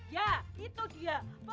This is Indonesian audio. ya itu dia